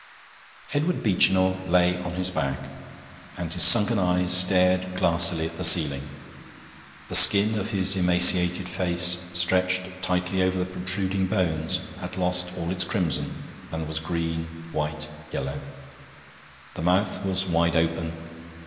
Edward Beechinor lay on his back, and his sunken eyes stared glassily at the ceiling. The skin of his emaciated face, stretched tightly over the protruding bones, had lost all its crimson, and was green, white, yellow. The mouth was wide open.